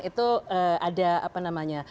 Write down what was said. itu ada apa namanya